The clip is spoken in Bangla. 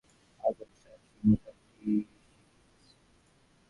আগুনে সন্ন্যাসী মোটা রুটি সেকিতেছিল।